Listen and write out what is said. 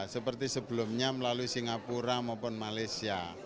seperti sebelumnya melalui singapura maupun malaysia